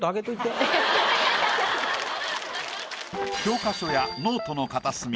教科書やノートの片隅